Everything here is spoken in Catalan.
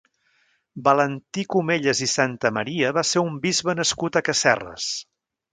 Valentí Comellas i Santamaria va ser un bisbe nascut a Casserres.